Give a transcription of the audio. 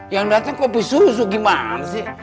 yang datang kopi susu gimana sih